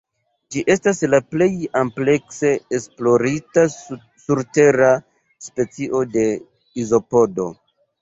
Ĝi estas la plej amplekse esplorita surtera specio de izopodo.